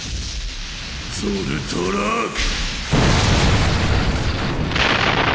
ゾルトラーク！